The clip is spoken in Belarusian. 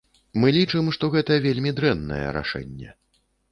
Мы лічым, што гэта вельмі дрэннае рашэнне.